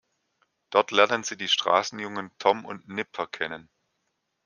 Dort lernen sie die Straßenjungen Tom und Nipper kennen.